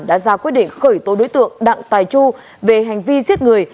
đã ra quyết định khởi tố đối tượng đặng tài chu về hành vi giết người